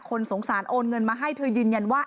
สงสารโอนเงินมาให้เธอยืนยันว่า